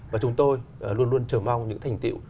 và chúng tôi luôn luôn trở mong những thành tiệu